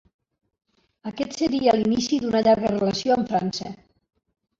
Aquest seria l'inici d'una llarga relació amb França.